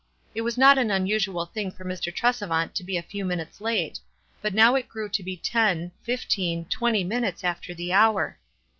It was not an unusual thin^r for Mr. Tresevant to be a few minutes late ; but now it grew to be ten, fifteen, twenty minutes after the hour.